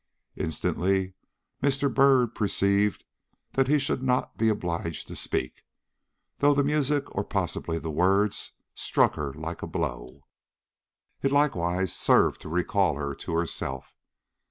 Instantly Mr. Byrd perceived that he should not be obliged to speak. Though the music, or possibly the words, struck her like a blow, it likewise served to recall her to herself.